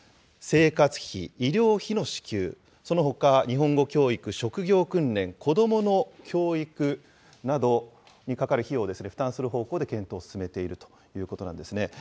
生活費、医療費の支給、そのほか日本語教育、職業訓練、子どもの教育などにかかる費用を負担する方向で検討を進めているということなんですね。